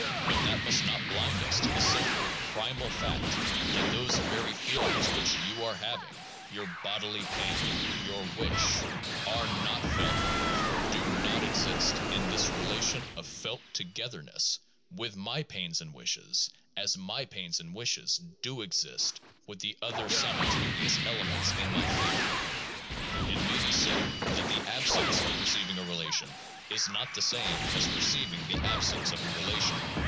But that must not blind us to the simple primal fact that those very feelings which you are having — your bodily pain, your wish — are not felt with, do not exist in this relation of felt togetherness with, my pains and wishes, as my pains and wishes do exist with the other simul taneous elements in my field. It may be said that the absence of perceiving a relation is not the same as perceiving the absence of a relation.